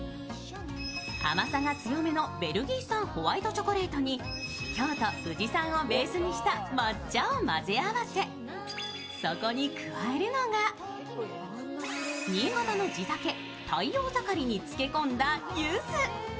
甘さが強めのベルギー産ホワイトチョコレートに京都・宇治産をベースにした抹茶を混ぜ合わせそこに加えるのが新潟の地酒大洋盛につけ込んだゆず。